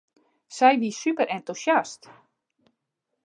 Sy wie superentûsjast.